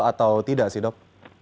atau tidak sih dok